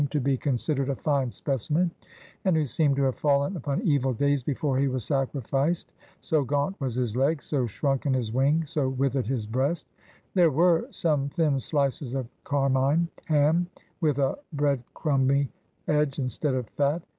to be considered a fine specimen, and who seemed to have fallen upon evil days before he was sacrificed, so gaunt was his leg, so shrunken his wing, so withered his breast ; there were some thin slices of carmine ham, with a bread crumby edge instead of fat.